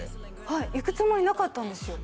はい行くつもりなかったんですよ